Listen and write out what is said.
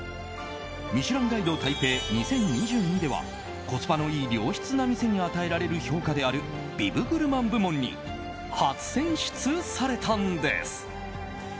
「ミシュランガイド台北２０２２」ではコスパのいい良質な店に与えられる評価であるビブグルマン部門に初選出されたんです。